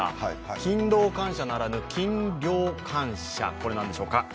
勤労感謝ならぬ、金陵感謝、これ何でしょうか。